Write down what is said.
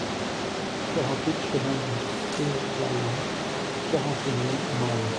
quarante-huit chemin de Séjalan, quarante-huit mille Mende